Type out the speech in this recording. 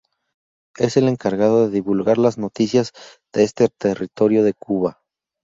Es el encargado de divulgar las noticias de este territorio de Cuba.